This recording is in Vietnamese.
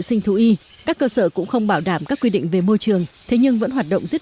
sinh thú y các cơ sở cũng không bảo đảm các quy định về môi trường thế nhưng vẫn hoạt động giết